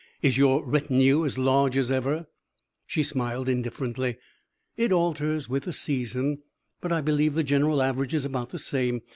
Is your retinue as large as ever?" She smiled indifferently. "It alters with the season, but I believe the general average is about the same.